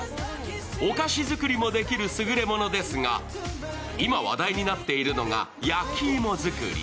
お菓子作りもできるすぐれものですが今話題になっているのが焼き芋作り。